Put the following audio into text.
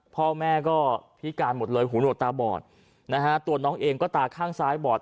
พ่อแม่ก็พิการหมดเลยหูหนวดตาบอดนะฮะตัวน้องเองก็ตาข้างซ้ายบอด